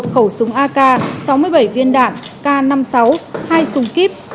khẩu súng ak sáu mươi bảy viên đạn k năm mươi sáu hai súng kíp